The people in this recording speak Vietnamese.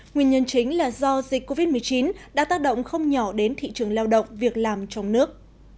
nguyên nhân chính là do dịch covid một mươi chín đã tác động không nhỏ đến thị trường lao động việc làm trong nước